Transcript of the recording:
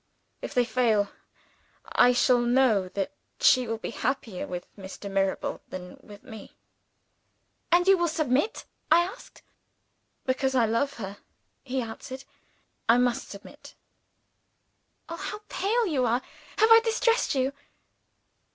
If they fail, I shall know that she will be happier with Mr. Mirabel than with me.' 'And you will submit?' I asked. 'Because I love her,' he answered, 'I must submit.' Oh, how pale you are! Have I distressed you?"